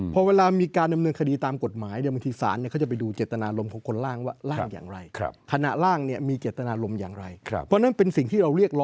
พอเวลามีการดำเนินคดีตามกฎหมาย